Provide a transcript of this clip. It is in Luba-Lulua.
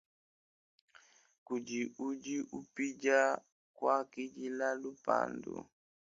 Kudi udi upidia kuakidila lupandu.